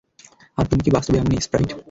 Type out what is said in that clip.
আর তুমি কি বাস্তবে এমনই, স্প্রাইট?